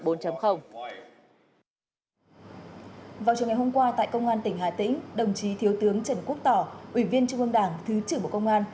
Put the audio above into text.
vào chiều ngày hôm qua tại công an tỉnh hà tĩnh đồng chí thiếu tướng trần quốc tỏ ủy viên trung ương đảng thứ trưởng bộ công an